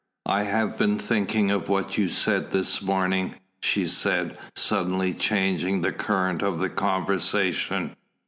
"I have been thinking of what you said this morning," she said, suddenly changing the current of the conversation.